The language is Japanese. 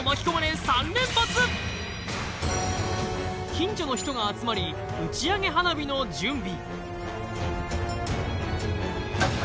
近所の人が集まり打ち上げ花火の準備